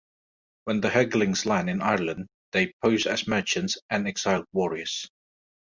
When the Hegelings land in Ireland they pose as merchants and exiled warriors.